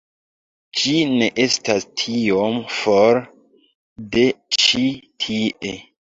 Ĝi ne estas tiom for de ĉi tie